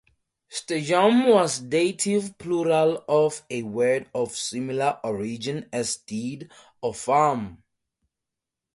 "Stadhum" was dative plural of a word of similar origin as stead, or farm.